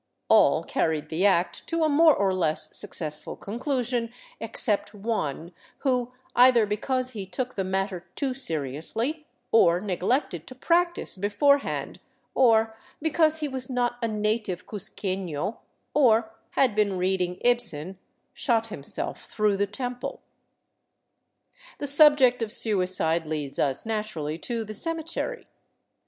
All carried the act to a more or less successful conclusion, except one who, either be cause he took the matter too seriously, or neglected to practice before hand, or because he was not a native cuzqueiio, or had been reading Ibsen, shot himself through the temple. The subject of suicide leads us naturally to the cemetery.